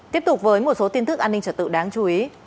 tiếp tục với một số tin thức an ninh trật tự đáng chú ý